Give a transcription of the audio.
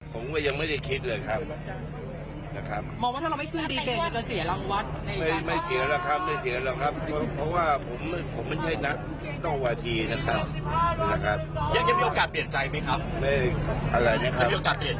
เป็นเรื่องของผมและผม